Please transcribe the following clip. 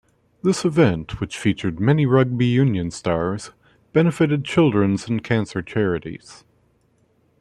This event, which featured many rugby union stars, benefited children's and cancer charities.